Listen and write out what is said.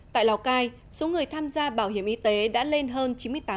tại lào cai số người tham gia bảo hiểm y tế đã lên hơn chín mươi tám